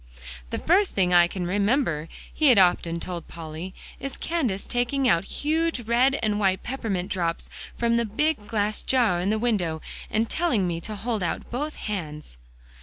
"The first thing I can remember," he had often told Polly, "is Candace taking out huge red and white peppermint drops, from the big glass jar in the window, and telling me to hold out both hands."